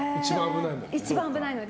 一番危ないので。